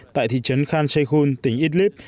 tại thị trấn khan sheikhun tỉnh idlib